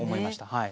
はい。